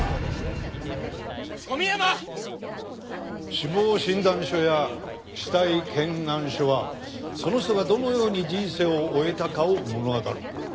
死亡診断書や死体検案書はその人がどのように人生を終えたかを物語る。